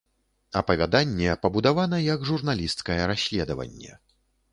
Апавяданне пабудавана як журналісцкае расследаванне.